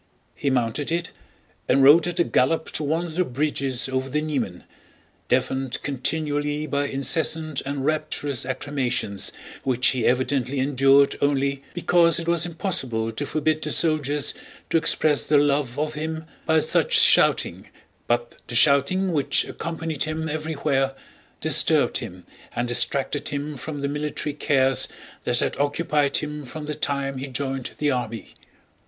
He mounted it and rode at a gallop to one of the bridges over the Niemen, deafened continually by incessant and rapturous acclamations which he evidently endured only because it was impossible to forbid the soldiers to express their love of him by such shouting, but the shouting which accompanied him everywhere disturbed him and distracted him from the military cares that had occupied him from the time he joined the army.